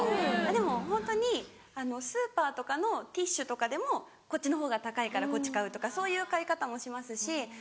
でもホントにスーパーとかのティッシュとかでもこっちの方が高いからこっち買うとかそういう買い方もしますし。